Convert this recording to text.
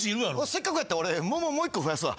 せっかくやったら俺桃もう一個増やすわ。